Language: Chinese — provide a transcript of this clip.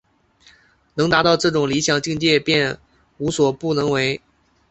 能达到这种理想境界便无所不能为。